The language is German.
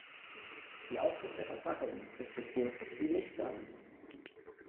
Die Aufschrift der Verpackung ist so kurz wie nichtssagend.